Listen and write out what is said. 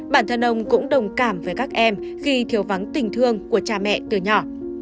bản thân ông cũng đồng cảm với các em khi thiếu vắng tình thương của cha mẹ từ nhỏ